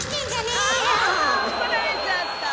ああ怒られちゃった。